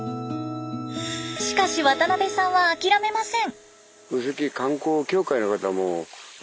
しかし渡邊さんは諦めません。